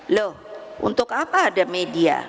loh untuk apa ada media